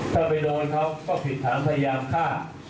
ถ้าไปโดนเขาก็ผิดฐานพยายามฆ่า